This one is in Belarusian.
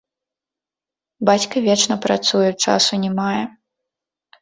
Бацька вечна працуе, часу не мае.